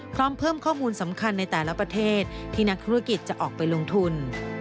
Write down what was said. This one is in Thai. พร้อมเพิ่มข้อมูลสำคัญในแต่ละประเทศที่นักธุรกิจจะออกไปลงทุน